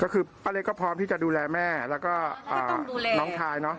ก็คือป้าเล็กก็พร้อมที่จะดูแลแม่แล้วก็น้องชายเนอะ